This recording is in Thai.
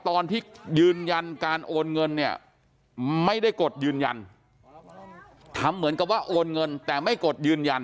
ตอนที่ยืนยันการโอนเงินเนี่ยไม่ได้กดยืนยันทำเหมือนกับว่าโอนเงินแต่ไม่กดยืนยัน